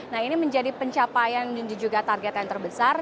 nah ini menjadi pencapaian dan juga target yang terbesar